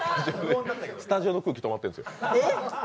スタジオの空気止まってるんですけど。